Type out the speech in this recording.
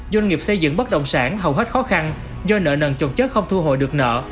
doanh nghiệp xây dựng bất động sản hầu hết khó khăn do nợ nần trồng chất không thu hồi được nợ